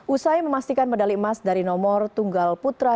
usai memastikan medali emas dari nomor tunggal putra